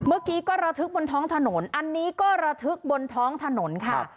เมื่อกี้ก็ระทึกบนท้องถนนอันนี้ก็ระทึกบนท้องถนนค่ะ